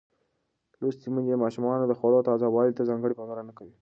لوستې میندې د ماشومانو د خوړو تازه والي ته ځانګړې پاملرنه کوي.